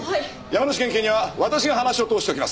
山梨県警には私が話を通しておきます。